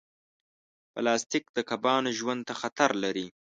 پلاستيک د کبانو ژوند ته خطر لري.